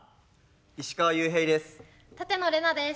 石川裕平です。